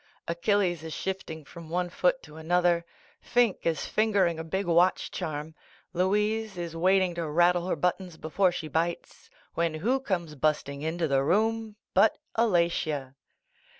Achilles is shifting from one foot to an other, "Finke" is fingering a big watch charm, Louise is waiting to rattle her but tons before .she bites, when who comes bust ing into the room but Alatia.